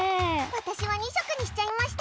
私は２色にしちゃいました。